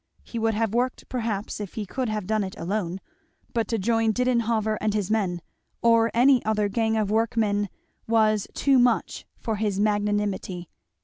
He would have worked perhaps if he could have done it alone; but to join Didenhover and his men, or any other gang of workmen, was too much for his magnanimity.